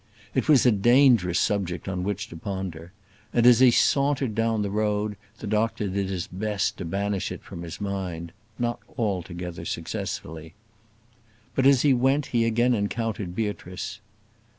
It was a dangerous subject on which to ponder; and, as he sauntered down the road, the doctor did his best to banish it from his mind, not altogether successfully. But as he went he again encountered Beatrice.